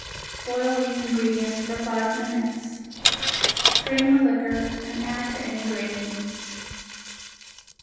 Boil these ingredients for five minutes. Strain the liquor and add to any gravy.